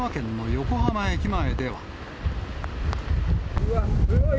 うわ、すごい。